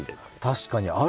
確かにある！